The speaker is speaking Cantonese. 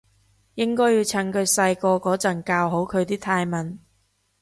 應該要趁佢細個嗰陣教好佢啲泰文